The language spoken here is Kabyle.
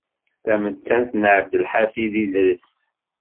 Tamettant n Ɛebdelḥafiḍ Idres.